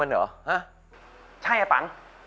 แม้สิ้นลมหายใจก็รักเธอ